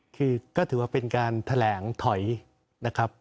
คือก็ถือว่าเป็นการแถลงถอยนะครับ